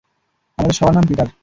আমাদের সবার নাম পিটার।